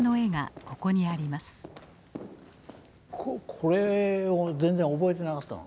これを全然覚えてなかったの。